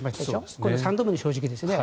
今度、三度目の正直ですね。